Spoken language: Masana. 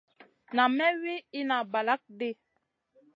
Nam may wi inna balakŋ ɗi.